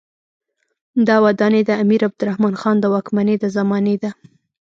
دا ودانۍ د امیر عبدالرحمن خان د واکمنۍ د زمانې ده.